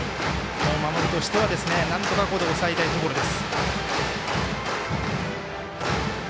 守りとしては、なんとかここで抑えたいところです。